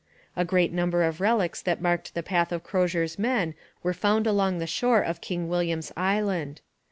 A great number of relics that marked the path of Crozier's men were found along the shore of King William's Island.